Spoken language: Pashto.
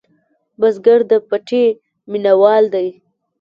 بزګر د پټي مېنهوال دی